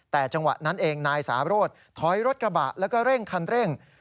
แต่จังหวะนั้นเองนายสาโรธถอยรถกระบะแล้วก็เร่งคันเร่ง